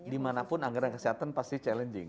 dimanapun anggaran kesehatan pasti challenging